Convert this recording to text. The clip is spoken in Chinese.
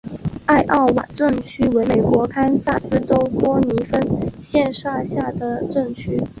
艾奥瓦镇区为美国堪萨斯州多尼芬县辖下的镇区。